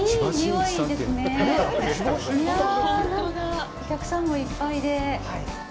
お客さんもいっぱいで。